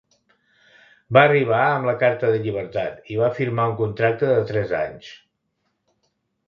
Va arribar amb la carta de llibertat i va firmar un contracte de tres anys.